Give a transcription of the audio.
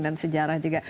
dan sejarah juga